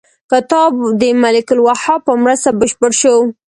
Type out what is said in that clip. کتاب د ملک الوهاب په مرسته بشپړ شو.